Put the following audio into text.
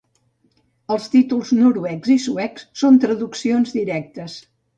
Els títols noruecs i suecs són traduccions directes.